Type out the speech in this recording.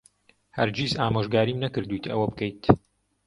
هەرگیز ئامۆژگاریم نەکردوویت ئەوە بکەیت.